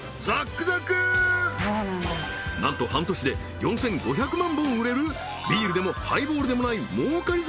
なんと半年で４５００万本売れるビールでもハイボールでもない儲かり